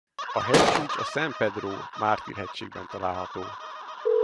A hegycsúcs a San Pedro Mártir-hegységben található.